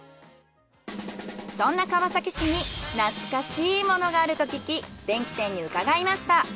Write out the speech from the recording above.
そんな川崎市に懐かしいものがあると聞き電機店に伺いました。